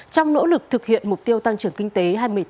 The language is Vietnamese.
trong nỗ lực thực hiện mục tiêu tăng trưởng kinh tế hai nghìn một mươi tám